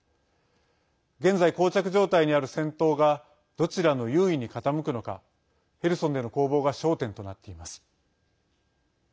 現在、こう着状態にある戦闘がどちらの優位に傾くのかヘルソンでの攻防が焦点となっています。